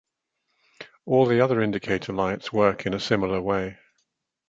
All the other indicator lights work in a similar way.